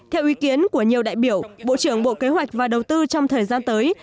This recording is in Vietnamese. theo ý kiến của nhiều đại biểu bộ trưởng bộ kế hoạch và đầu tư trong thời gian tới